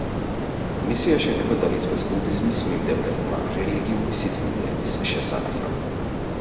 მისი აშენება დაიწყეს ბუდიზმის მიმდევრებმა რელიგიური სიწმინდეების შესანახად.